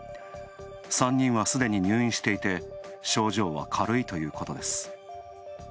３人はすでに入院していて、症状は軽いということです。